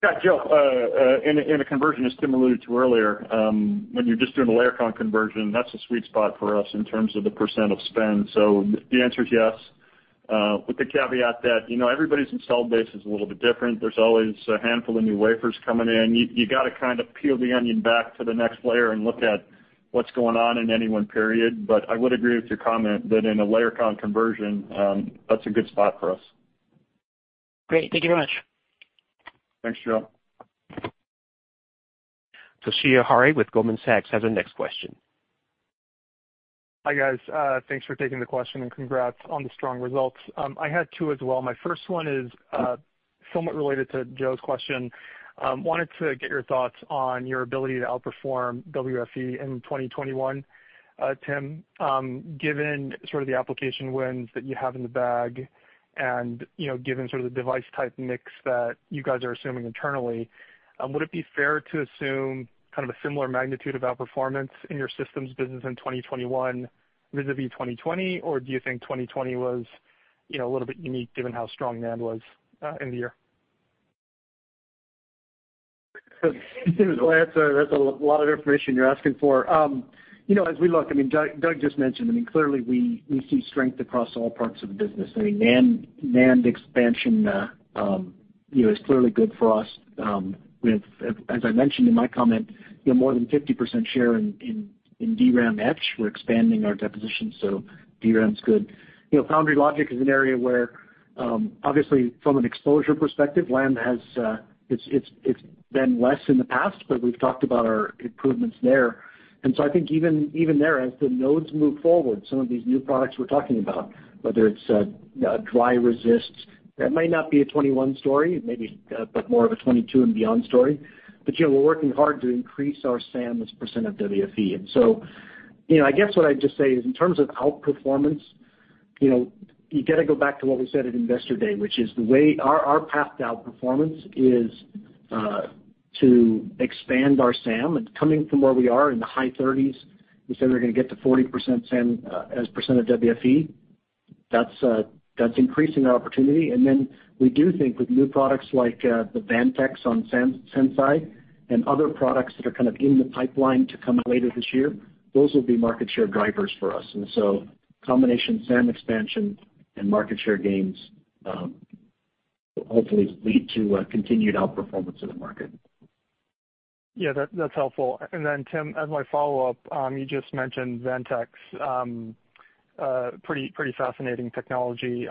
Yeah, Joe, in a conversion, as Tim alluded to earlier, when you're just doing a layer count conversion, that's a sweet spot for us in terms of the percent of spend. The answer is yes, with the caveat that everybody's install base is a little bit different. There's always a handful of new wafers coming in. You got to kind of peel the onion back to the next layer and look at What's going on in any one period. I would agree with your comment that in a layer count conversion, that's a good spot for us. Great. Thank you very much. Thanks, Joe. Toshiya Hari with Goldman Sachs has our next question. Hi, guys. Thanks for taking the question and congrats on the strong results. I had two as well. My first one is somewhat related to Joe's question. Wanted to get your thoughts on your ability to outperform WFE in 2021. Tim, given sort of the application wins that you have in the bag and given sort of the device type mix that you guys are assuming internally, would it be fair to assume kind of a similar magnitude of outperformance in your systems business in 2021 vis-a-vis 2020? Or do you think 2020 was a little bit unique given how strong NAND was end of year? That's a lot of information you're asking for. We look, Doug just mentioned, clearly we see strength across all parts of the business. NAND expansion is clearly good for us. I mentioned in my comment, more than 50% share in DRAM etch. We're expanding our deposition, DRAM's good. Foundry logic is an area where, obviously from an exposure perspective, Lam has, it's been less in the past, but we've talked about our improvements there. I think even there, as the nodes move forward, some of these new products we're talking about, whether it's dry resists, that might not be a 2021 story, maybe, but more of a 2022 and beyond story. We're working hard to increase our SAM as a percent of WFE. I guess what I'd just say is in terms of outperformance, you got to go back to what we said at Investor Day, which is the way our path to outperformance is to expand our SAM. Coming from where we are in the high 30s, we said we're going to get to 40% SAM as % of WFE. That's increasing our opportunity. Then we do think with new products like the Vantex on Sense.i and other products that are kind of in the pipeline to come out later this year, those will be market share drivers for us. Combination SAM expansion and market share gains will hopefully lead to a continued outperformance in the market. Yeah, that's helpful. Then Tim, as my follow-up, you just mentioned Vantex. Pretty fascinating technology.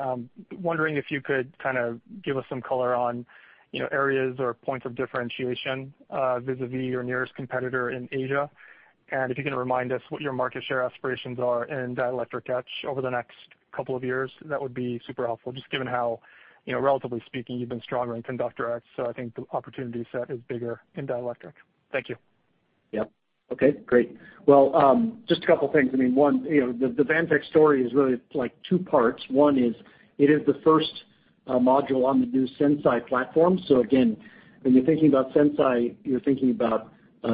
Wondering if you could kind of give us some color on areas or points of differentiation vis-a-vis your nearest competitor in Asia. If you can remind us what your market share aspirations are in dielectric etch over the next couple of years, that would be super helpful. Just given how, relatively speaking, you've been stronger in conductor etch, so I think the opportunity set is bigger in dielectric. Thank you. Yep. Okay, great. Well, just a couple of things. One, the Vantex story is really two parts. One is it is the first module on the new Sense.i platform. Again, when you're thinking about Sense.i, you're thinking about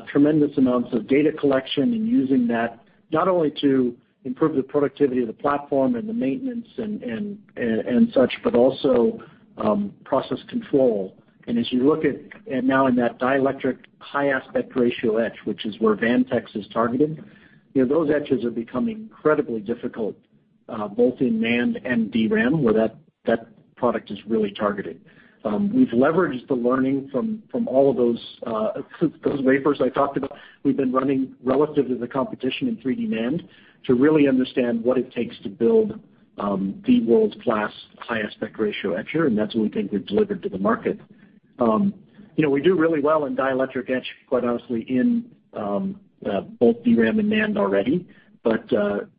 tremendous amounts of data collection and using that, not only to improve the productivity of the platform and the maintenance and such, but also process control. As you look at now in that dielectric high aspect ratio etch, which is where Vantex is targeted, those etches are becoming incredibly difficult, both in NAND and DRAM, where that product is really targeted. We've leveraged the learning from all of those wafers I talked about. We've been running relative to the competition in 3D NAND to really understand what it takes to build the world-class high aspect ratio etcher, and that's what we think we've delivered to the market. We do really well in dielectric etch, quite honestly, in both DRAM and NAND already. But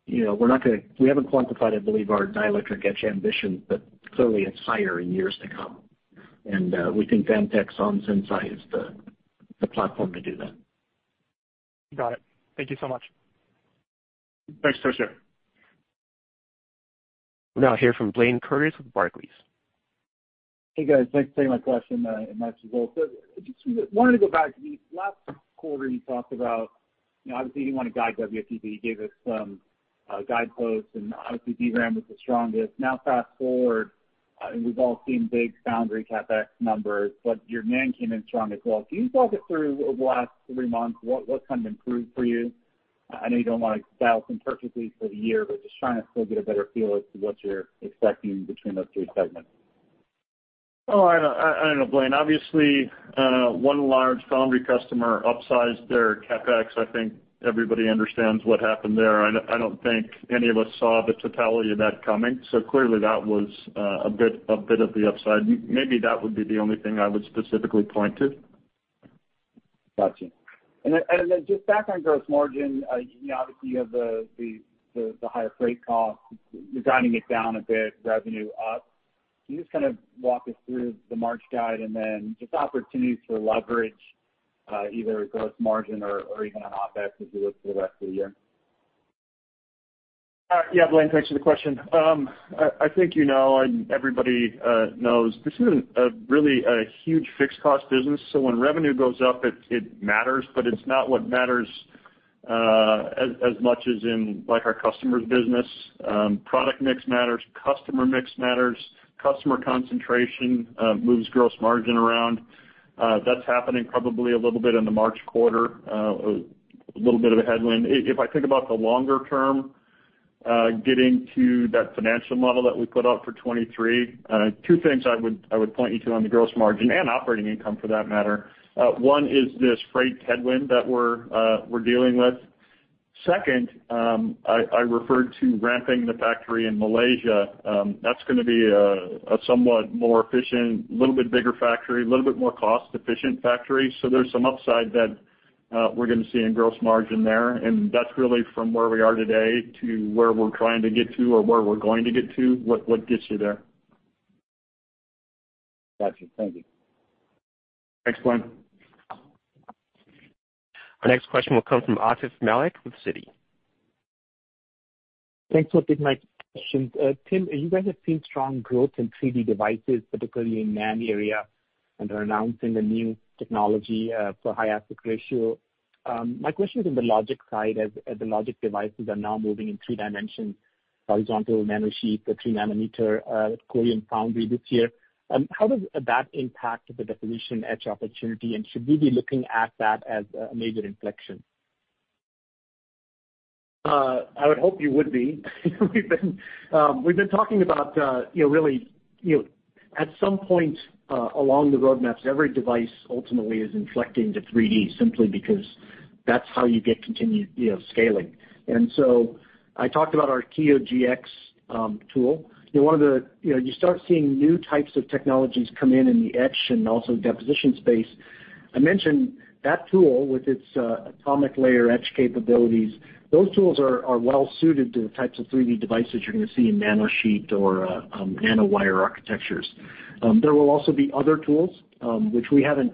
we haven't quantified, I believe, our dielectric etch ambition, but clearly it's higher in years to come. And we think Vantex on Sense.i is the platform to do that. Got it. Thank you so much. Thanks, Toshiya. We'll now hear from Blayne Curtis with Barclays. Hey, guys. Thanks for taking my question. I just wanted to go back to last quarter, you talked about, obviously you didn't want to guide WFE, but you gave us some guideposts, and obviously DRAM was the strongest. Fast-forward, we've all seen big foundry CapEx numbers. Your NAND came in strong as well. Can you talk us through over the last three months, what's kind of improved for you? I know you don't want to dial in perfectly for the year, just trying to still get a better feel as to what you're expecting between those three segments. I don't know, Blayne. Obviously, one large foundry customer upsized their CapEx. I think everybody understands what happened there. I don't think any of us saw the totality of that coming. Clearly that was a bit of the upside. Maybe that would be the only thing I would specifically point to. Got you. Just back on gross margin, obviously you have the higher freight cost, you're guiding it down a bit, revenue up. Can you just kind of walk us through the March guide and then just opportunities for leverage, either gross margin or even on OpEx as we look to the rest of the year? Yeah, Blayne, thanks for the question. I think you know, everybody knows this is a really huge fixed cost business. When revenue goes up, it matters, but it's not what matters as much as in like our customer's business. Product mix matters, customer mix matters, customer concentration moves gross margin around. That's happening probably a little bit in the March quarter, a little bit of a headwind. If I think about the longer term. Getting to that financial model that we put out for 2023, two things I would point you to on the gross margin and operating income for that matter. One is this freight headwind that we're dealing with. Second, I referred to ramping the factory in Malaysia. That's going to be a somewhat more efficient, little bit bigger factory, a little bit more cost-efficient factory. There's some upside that we're going to see in gross margin there, and that's really from where we are today to where we're trying to get to or where we're going to get to, what gets you there. Got you. Thank you. Next one. Our next question will come from Atif Malik with Citi. Thanks for taking my question. Tim, you guys have seen strong growth in 3D devices, particularly in NAND area, and are announcing the new technology for high aspect ratio. My question is on the logic side, as the logic devices are now moving in three dimensions, horizontal nanosheet or 3nm at Samsung Foundry this year. How does that impact the definition etch opportunity, and should we be looking at that as a major inflection? I would hope you would be. We've been talking about really at some point along the roadmaps, every device ultimately is inflecting to 3D simply because that's how you get continued scaling. I talked about our Kiyo GX tool. You start seeing new types of technologies come in the etch and also deposition space. I mentioned that tool with its atomic layer etch capabilities. Those tools are well suited to the types of 3D devices you're going to see in nanosheet or nanowire architectures. There will also be other tools, which we haven't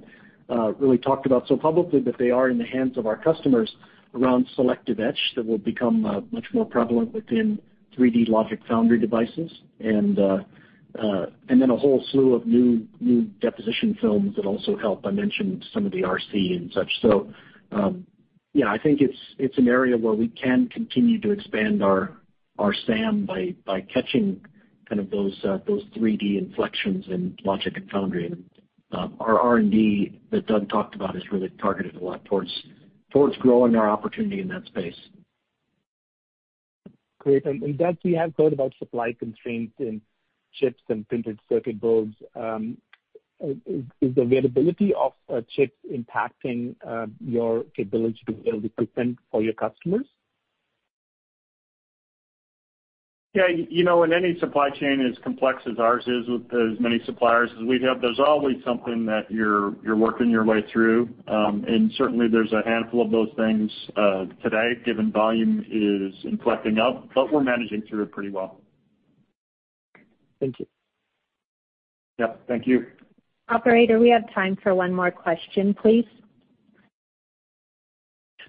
really talked about so publicly, but they are in the hands of our customers around selective etch that will become much more prevalent within 3D logic foundry devices. A whole slew of new deposition films that also help. I mentioned some of the RC and such. Yeah, I think it's an area where we can continue to expand our SAM by catching kind of those 3D inflections in logic and foundry. Our R&D that Doug talked about is really targeted a lot towards growing our opportunity in that space. Great. Doug, we have heard about supply constraints in chips and printed circuit boards. Is the availability of chips impacting your capability to build equipment for your customers? Yeah. In any supply chain as complex as ours is with as many suppliers as we have, there's always something that you're working your way through. Certainly there's a handful of those things today, given volume is inflecting up, but we're managing through it pretty well. Thank you. Yeah. Thank you. Operator, we have time for one more question, please.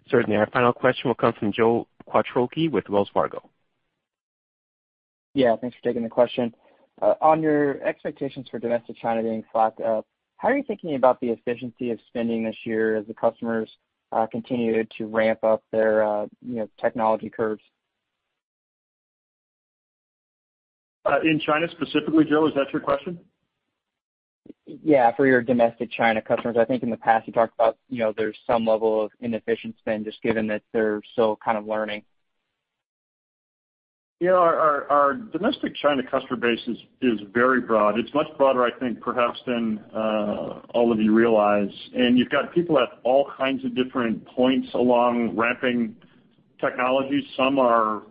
Certainly. Our final question will come from Joe Quatrochi with Wells Fargo. Yeah, thanks for taking the question. On your expectations for domestic China being flat, how are you thinking about the efficiency of spending this year as the customers continue to ramp up their technology curves? In China specifically, Joe, is that your question? Yeah, for your domestic China customers. I think in the past you talked about there's some level of inefficiency and just given that they're still kind of learning. Yeah, our domestic China customer base is very broad. It's much broader, I think, perhaps than all of you realize. You've got people at all kinds of different points along ramping technologies. Some have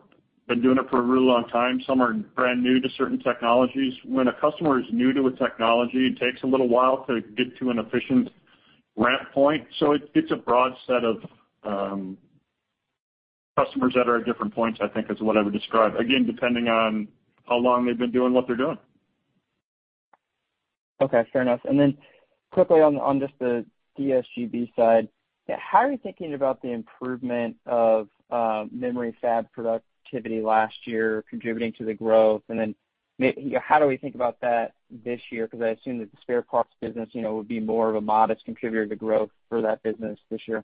been doing it for a really long time. Some are brand new to certain technologies. When a customer is new to a technology, it takes a little while to get to an efficient ramp point. It's a broad set of customers that are at different points, I think is what I would describe. Again, depending on how long they've been doing what they're doing. Okay, fair enough. Quickly on just the CSBG side, how are you thinking about the improvement of memory fab productivity last year contributing to the growth? How do we think about that this year? Because I assume that the spare parts business would be more of a modest contributor to growth for that business this year.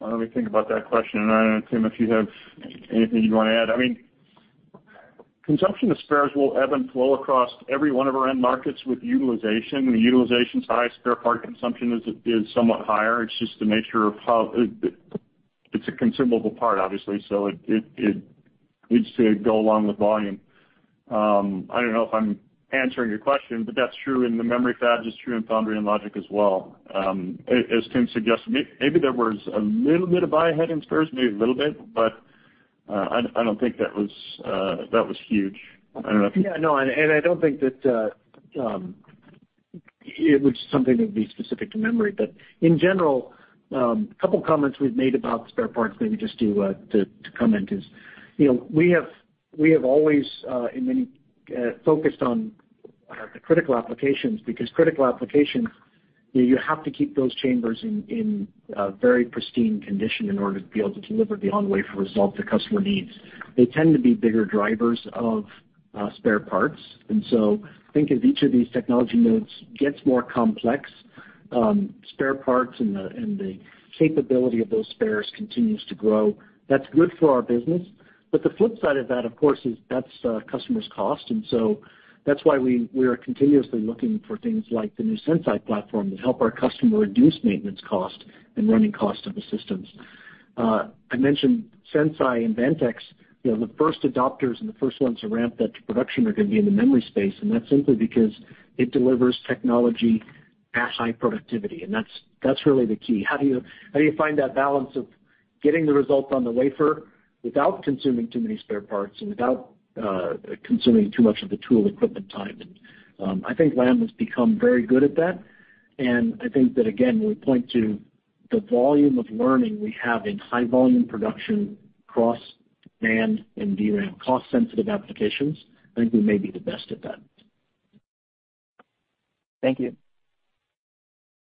Let me think about that question. I don't know, Tim, if you have anything you'd want to add. Consumption of spares will ebb and flow across every one of our end markets with utilization. When utilization's high, spare part consumption is somewhat higher. It's a consumable part, obviously, so it needs to go along with volume. I don't know if I'm answering your question, but that's true in the memory fabs. It's true in foundry and logic as well. As Tim suggested, maybe there was a little bit of buy ahead in spares, maybe a little bit, but I don't think that was huge. Yeah, no, I don't think that it was something that would be specific to memory. In general, a couple comments we've made about spare parts, maybe just to comment is, we have always focused on the critical applications because critical applications, you have to keep those chambers in a very pristine condition in order to be able to deliver the on-wafer result the customer needs. They tend to be bigger drivers of spare parts. I think as each of these technology nodes gets more complex, spare parts and the capability of those spares continues to grow. That's good for our business. The flip side of that, of course, is that's a customer's cost, that's why we are continuously looking for things like the new Sense.i platform that help our customer reduce maintenance cost and running cost of the systems. I mentioned Sense.i® and Vantex. The first adopters and the first ones to ramp that to production are going to be in the memory space, and that's simply because it delivers technology at high productivity, and that's really the key. How do you find that balance of getting the result on the wafer without consuming too many spare parts and without consuming too much of the tool equipment time? I think Lam has become very good at that, and I think that, again, we point to the volume of learning we have in high volume production across NAND and DRAM, cost sensitive applications. I think we may be the best at that. Thank you.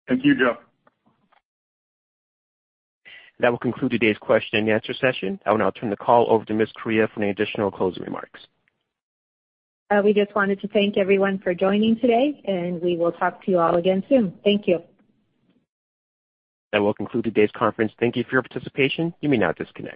Thank you, Joe. That will conclude today's question and answer session. I will now turn the call over to Ms. Correia for any additional closing remarks. We just wanted to thank everyone for joining today. We will talk to you all again soon. Thank you. That will conclude today's conference. Thank you for your participation. You may now disconnect.